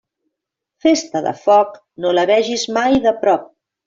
Festa de foc, no la vegis mai de prop.